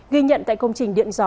ghi nhận tại công trình điện gió